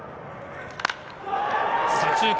左中間！